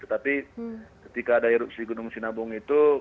tetapi ketika ada erupsi gunung sinabung itu